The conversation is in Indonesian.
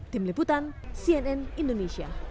tim liputan cnn indonesia